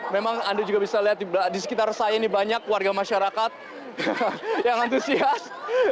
memang anda juga bisa lihat di sekitar saya ini banyak warga masyarakat yang antusias